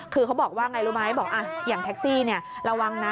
คือเขาบอกว่าไงรู้ไหมบอกอย่างแท็กซี่ระวังนะ